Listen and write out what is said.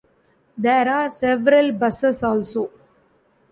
There are several buses also.